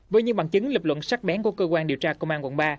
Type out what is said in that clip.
với những bằng chứng lập luận sắc bén của cơ quan điều tra công an quận ba